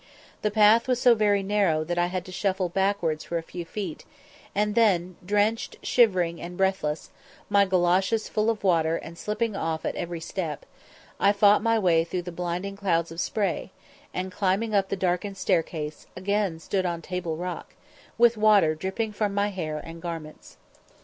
The path was so very narrow that I had to shuffle backwards for a few feet, and then, drenched, shivering, and breathless, my goloshes full of water and slipping off at every step, I fought my way through the blinding clouds of spray, and, climbing up the darkened staircase, again stood on Table Rock, with water dripping from my hair and garments.